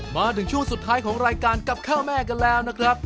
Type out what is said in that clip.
มาถึงช่วงสุดท้ายของรายการกับข้าวแม่กันแล้วนะครับ